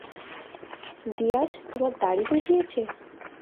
Diaz, তোমার দাড়ি গজিয়েছে!